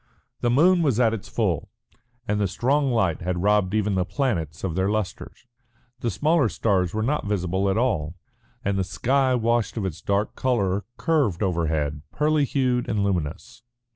The moon was at its full, and the strong light had robbed even the planets of their lustre. The smaller stars were not visible at all, and the sky washed of its dark colour, curved overhead, pearly hued and luminous.